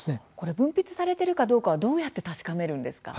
分泌されているかどうかはどうやって確かめるんですか。